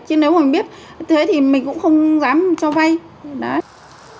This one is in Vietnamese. chứ nếu mình biết thế thì mình cũng không dám cho vay